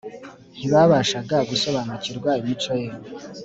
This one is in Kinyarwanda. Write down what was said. . Ntibabashaga gusobanukirwa imico Ye